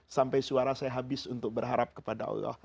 sampai suara saya habis untuk berharap kepada allah